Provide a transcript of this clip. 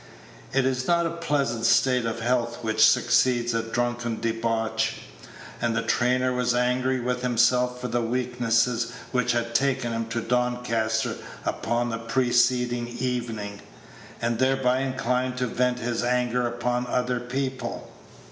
It is not a pleasant state of health which succeeds a drunken debauch; and the trainer was angry with himself for the weakness which had taken him to Doncaster upon the preceding evening, and thereby inclined to vent his anger upon other people.